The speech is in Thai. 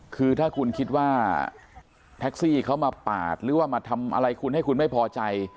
คือถ้าคุณคิดว่าแท็กซี่เขามาปาดหรือว่ามาทำอะไรคุณให้คุณไม่พอใจ